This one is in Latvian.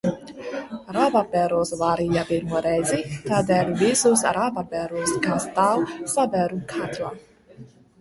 Rabarberus vārīja pirmo reizi, tādēļ visus rabarberus, kā stāv, sabēru katlā.